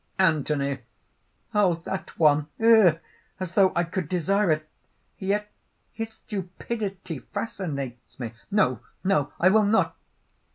ANTHONY. "Oh, that one! Ugh! As though I could desire it? Yet his stupidity fascinates me! No, no! I will not!"